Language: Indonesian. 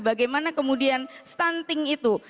bagaimana kemudian stunting itu